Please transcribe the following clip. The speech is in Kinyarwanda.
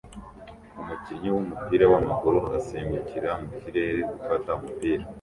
Umukinnyi wumupira wamaguru asimbukira mu kirere gufata umupira